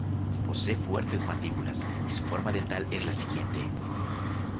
Posee fuertes mandíbulas, y su fórmula dental es la siguiente:.